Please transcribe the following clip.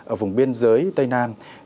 ở vùng biên giới tây nam